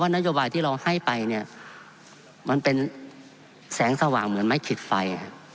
นโยบายที่เราให้ไปเนี่ยมันเป็นแสงสว่างเหมือนไม้ขิดไฟ